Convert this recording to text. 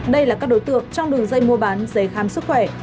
đây là các đối tượng trong đường dây mua bán giấy khám sức khỏe